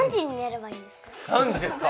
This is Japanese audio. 何時ですか？